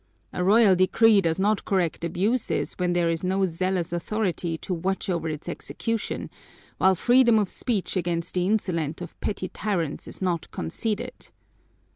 A royal decree does not correct abuses when there is no zealous authority to watch over its execution, while freedom of speech against the insolence of petty tyrants is not conceded.